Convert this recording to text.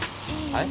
はい？